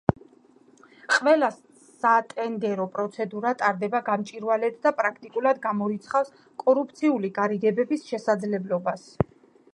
ყველა სატენდერო პროცედურა ტარდება გამჭვირვალედ და პრაქტიკულად გამორიცხავს კორუფციული გარიგებების შესაძლებლობას.